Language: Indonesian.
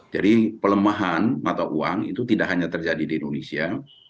jadi pelemahan mata uang itu tidak hanya terjadi di indonesia